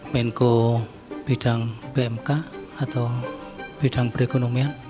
menko bidang pmk atau bidang perekonomian